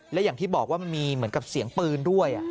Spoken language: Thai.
และอย่างที่บอกว่ามันมีเหมือนกับเสียงปืนด้วย